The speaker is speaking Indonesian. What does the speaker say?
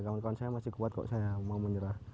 kawan kawan saya masih kuat kok saya mau menyerah